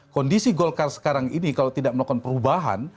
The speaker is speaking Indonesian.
kondisi golkar sekarang ini kalau tidak melakukan perubahan